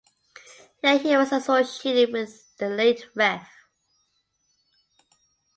Here he was associated with the late Rev.